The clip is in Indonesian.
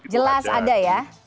jelas ada ya